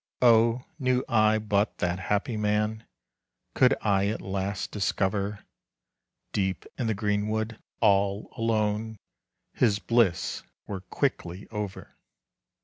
Oh, knew I but that happy man, Could I at last discover, Deep in the greenwood, all alone His bliss were quickly over.